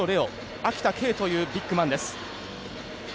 秋田啓というビッグマンです。